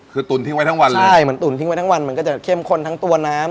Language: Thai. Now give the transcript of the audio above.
คือตุ๋นทิ้งไว้ทั้งวันเลยใช่เหมือนตุ๋นทิ้งไว้ทั้งวันมันก็จะเข้มข้นทั้งตัวน้ำ